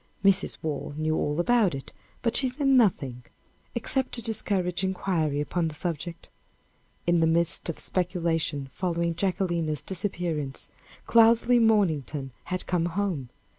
Mrs. Waugh knew all about it, but she said nothing, except to discourage inquiry upon the subject. In the midst of the speculation following Jacquelina's disappearance, Cloudesley Mornington had come home.